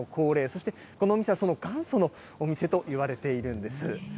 そしてこのお店はその元祖のお店といわれているんです。